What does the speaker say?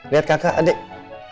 lihat kakak adik